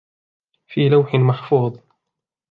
فِي لَوْحٍ مَحْفُوظٍ